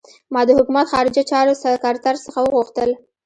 ما د حکومت خارجه چارو سکرټر څخه وغوښتل.